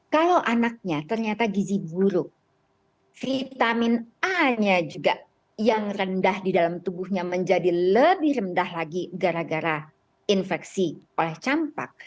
kalau anaknya ternyata gizi buruk vitamin a nya juga yang rendah di dalam tubuhnya menjadi lebih rendah lagi gara gara infeksi oleh campak